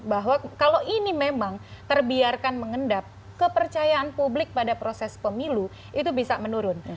bahwa kalau ini memang terbiarkan mengendap kepercayaan publik pada proses pemilu itu bisa menurun